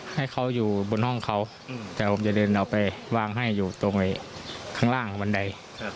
ให้เขาอยู่บนห้องเขาแต่ผมจะเดินเอาไปวางให้อยู่ตรงข้างล่างบันได